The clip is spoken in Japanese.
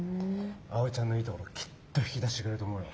あおいちゃんのいいところきっと引き出してくれると思うよ。